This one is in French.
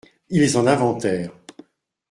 ils en inventèrent.